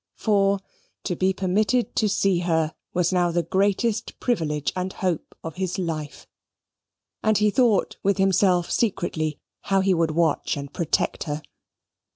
For, to be permitted to see her was now the greatest privilege and hope of his life, and he thought with himself secretly how he would watch and protect her.